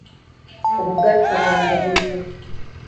Obugatto byange buli wa?